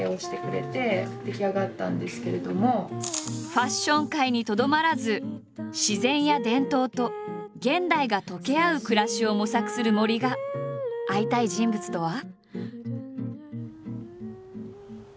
ファッション界にとどまらず自然や伝統と現代が溶け合う暮らしを模索する森が会いたい人物とは。